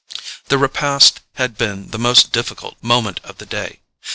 The repast had been the most difficult moment of the day.